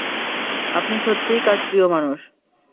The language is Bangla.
আপনি সত্যিই কাজ প্রিয় মানুষ।